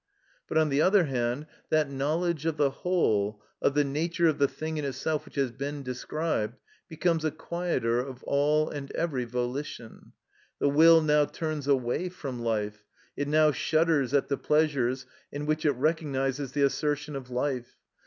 But, on the other hand, that knowledge of the whole, of the nature of the thing in itself which has been described, becomes a quieter of all and every volition. The will now turns away from life; it now shudders at the pleasures in which it recognises the assertion of life.